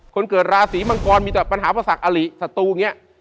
คนเกิดดลาศีมังกรมีแต่ปัญหาผสักอาหรี่ศัตรูเนี้ย